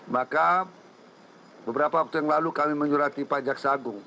maka beberapa waktu yang lalu kami menyurati pajak sagu